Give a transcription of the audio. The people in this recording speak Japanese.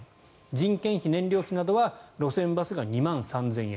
人件費、燃料費などは路線バスが２万３０００円